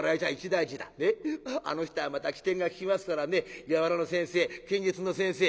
あの人はまた機転が利きますからね柔の先生剣術の先生